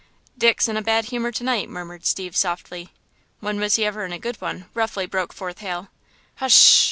"Dick's in a bad humor to night," murmured Steve, softly. "When was he ever in a good one?" roughly broke forth Hal. "H sh!"